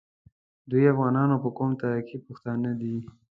دوی افغانان او په قوم تره کي پښتانه دي.